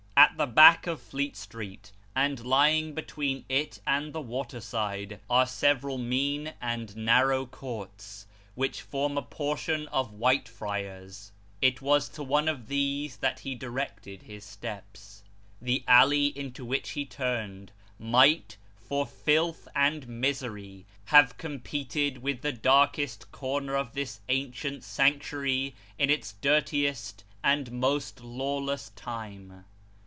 At the back of Fleet Street, and lying between it and the waterside, are several mean and narrow courts, which form a portion of White friars : it was to one of these that he directed his steps. The alley into which he turned, might, for filth and misery, have competed with the darkest corner of this ancient sanctuary in its dirtiest and most lawless time.